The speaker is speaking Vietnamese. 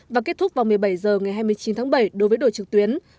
và kết thúc vào một mươi bảy h ngày hai mươi chín tháng bảy đối với đội trực tuyến